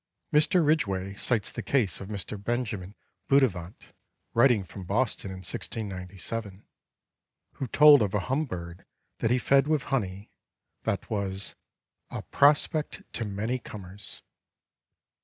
Mr. Ridgway cites the case of Mr. Benjamin Buttivant, writing from Boston in 1697, who told of a hum bird that he fed with honey, that was "A Prospect to many Comers."